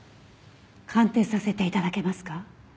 鑑定させて頂けますか？